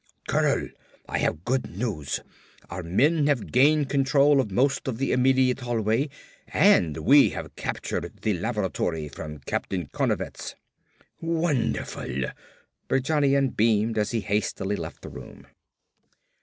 "Colonel, I have good news! Our men have gained control of most of the immediate hallway and we have captured the lavatory from Captain Konevets!" "Wonderful!" Berjanian beamed as he hastily left the room.